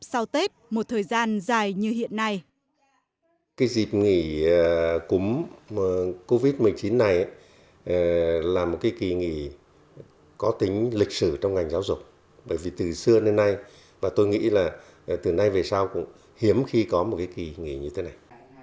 để rồi học sau tết một thời gian dài như hiện nay